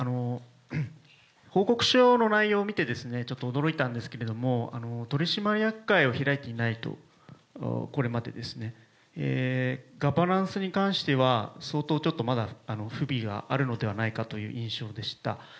報告書の内容を見て、ちょっと驚いたんですけれども、取締役会を開いてないと、これまでですね、ガバナンスに関しては、相当ちょっとまだ不備があるのではないかという印象でした。